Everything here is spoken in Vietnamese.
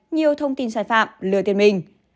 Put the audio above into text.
nhiều thông tin sai phạm lừa tiền mình